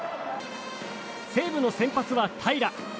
西武の先発は平良。